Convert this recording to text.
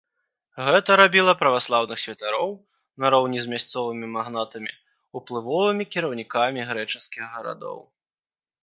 Гэта рабіла праваслаўных святароў, нароўні з мясцовымі магнатамі, уплывовымі кіраўнікамі грэчаскіх гарадоў.